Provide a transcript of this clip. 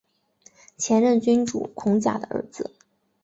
前任君主孔甲的儿子。